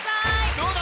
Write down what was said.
どうだ？